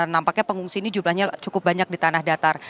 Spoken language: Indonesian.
nampaknya pengungsi ini jumlahnya cukup banyak di tanah datar